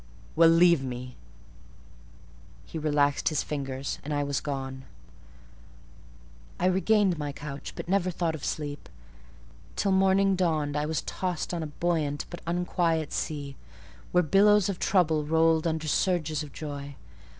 "Well, leave me:" he relaxed his fingers, and I was gone. I regained my couch, but never thought of sleep. Till morning dawned I was tossed on a buoyant but unquiet sea, where billows of trouble rolled under surges of joy.